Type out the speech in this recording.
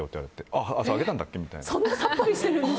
あっ、あげたんだっけみたいな。